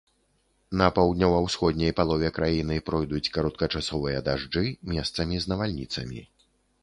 На паўднёва-ўсходняй палове краіны пройдуць кароткачасовыя дажджы, месцамі з навальніцамі.